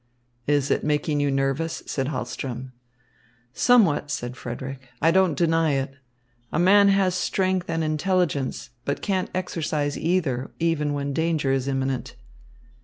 "Is it making you nervous?" asked Hahlström. "Somewhat," said Frederick. "I don't deny it. A man has strength and intelligence, but can't exercise either, even when danger is imminent."